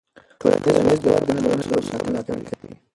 ټولنیز ځواک د ټولنې د اصولو ملاتړ کوي.